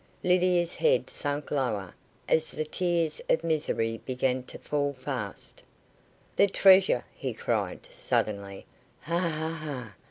Lydia's head sank lower, as the tears of misery began to fall fast. "The treasure," he cried, suddenly. "Ha ha ha!